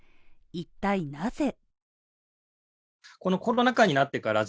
一体なぜ。